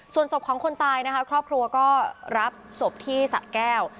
ส่วนศพของคนตายนะคะครอบครัวก็รับศพที่สะแก้ว